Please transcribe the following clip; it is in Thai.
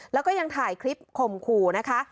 แล้วก็ยังถ่ายคลิปข่มขู่นะคะ